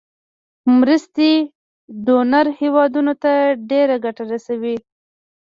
مرستې ډونر هیوادونو ته ډیره ګټه رسوي.